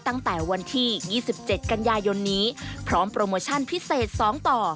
แมงมุมได้ตั้งแต่วันที่๒๗กันยายนพร้อมโปรโมชั่นพิเศษ๒ต่อ